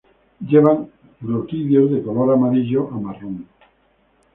Llevan gloquidios de color amarillo a marrón.